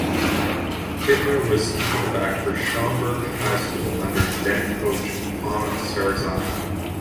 Kittner was quarterback for Schaumburg High School under then-coach Tom Cerasani.